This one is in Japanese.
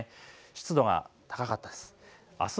湿度が高かったです。